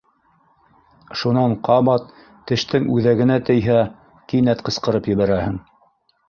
Шунан ҡабат тештең үҙәгенә тейһә, кинәт ҡысҡырып ебәрәһең.